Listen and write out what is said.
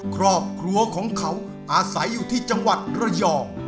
ครอบครัวของเขาอาศัยอยู่ที่จังหวัดระยอง